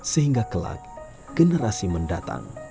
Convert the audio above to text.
sehingga kelak generasi mendatang